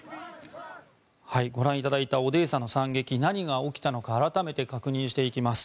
ご覧いただいたオデーサの惨劇何が起きたのか改めて確認していきます。